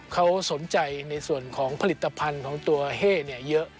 เขาสนใจในส่วนของผลิตภัณฑ์ของตัวเฮ่เยอะ